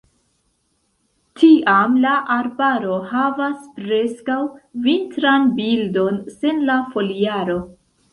Tiam la arbaro havas preskaŭ vintran bildon sen la foliaro.